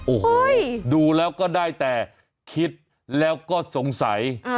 โอ้โหดูแล้วก็ได้แต่คิดแล้วก็สงสัย